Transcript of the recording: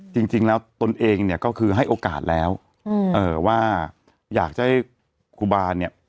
จริงจริงแล้วตนเองเนี้ยก็คือให้โอกาสแล้วอืมเอ่อว่าอยากจะให้คูบาเนี้ย